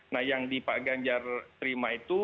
nah yang di pak ganjar terima itu